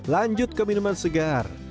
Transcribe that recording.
lanjut ke minuman segar